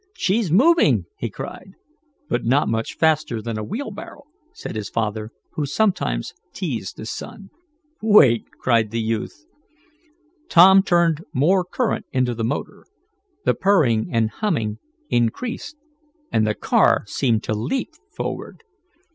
"She's moving!" he cried. "But not much faster than a wheelbarrow," said his father, who sometimes teased his son. "Wait!" cried the youth. Tom turned more current into the motor. The purring and humming increased, and the car seemed to leap forward.